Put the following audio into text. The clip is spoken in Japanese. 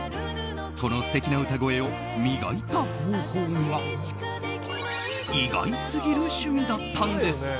この素敵な歌声を磨いた方法が意外すぎる趣味だったんです。